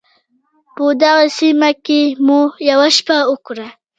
په دغې سیمه کې مو یوه شپه وکړه.